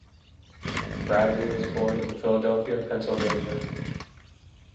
Bradley was born in Philadelphia, Pennsylvania.